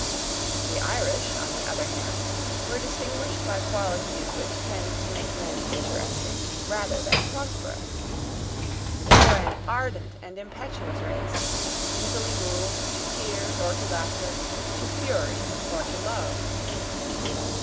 The Irish, on the other hand, were distinguished by qualities which tend to make men interesting rather than prosperous. They were an ardent and impetuous race, easily moved to tears or to laughter, to fury or to love.